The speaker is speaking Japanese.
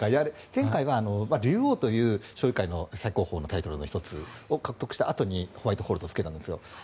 前回は竜王という将棋界の最高峰のタイトルの１つを獲得したあとにホワイトホールとつけたんですよ。